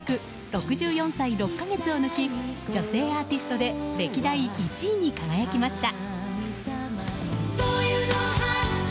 竹内まりやさんの記録６４歳６か月を抜き女性アーティストで歴代１位に輝きました。